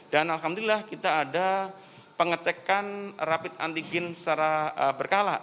dan alhamdulillah kita ada pengecekan rapid antigen secara berkala